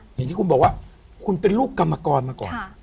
อย่างที่คุณบอกว่าคุณเป็นลูกกรรมกรมาก่อน